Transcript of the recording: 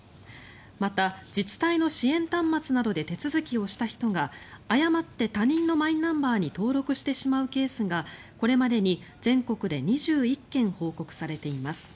また、自治体の支援端末などで手続きをした人が誤って他人のマイナンバーに登録してしまうケースがこれまでに全国で２１件報告されています。